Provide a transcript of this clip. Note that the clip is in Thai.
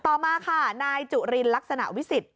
ต่อมาค่ะนายจุรินลักษณะวิสิทธิ